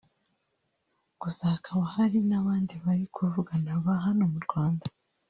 gusa hakaba hari n'abandi bari kuvugana ba hano mu Rwanda